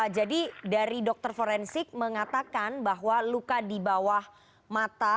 jadi dari dokter forensik mengatakan bahwa luka di bawah mata